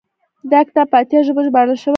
دا کتاب په اتیا ژبو ژباړل شوی دی.